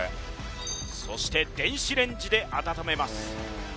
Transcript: そして電子レンジで温めます